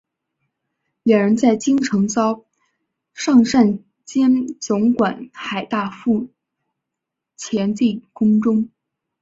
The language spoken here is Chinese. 两人在京城遭尚膳监总管海大富擒进宫中。